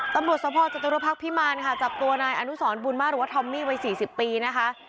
ตรวจภักดิ์พิมารจับตัวนายอนุสรบุญมาหรือว่าธอมมี่วัย๔๐ปีนะคะ